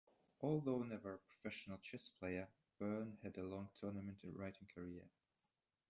Although never a professional chess player, Burn had a long tournament and writing career.